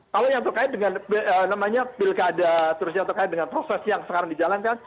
kalau yang terkait dengan proses yang sekarang dijalankan